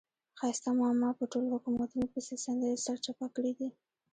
ښایسته ماما په ټولو حکومتونو پسې سندرې سرچپه کړې دي.